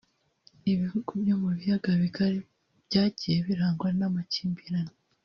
ibihugu byo mu biyaga bigari byagiye birangwa n’amakimbirane